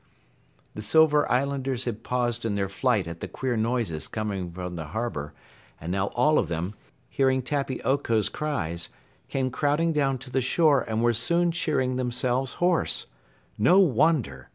The Silver Islanders had paused in their flight at the queer noises coming from the harbor, and now all of them, hearing Tappy Oko's cries, came crowding down to the shore and were soon cheering themselves hoarse. No wonder!